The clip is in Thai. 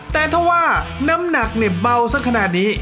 แต่ถ้าว่าน้ำหนักเนี่ยเบาสักขนาดนี้